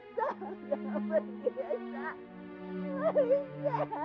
jangan tinggalkan ibu sebatang cara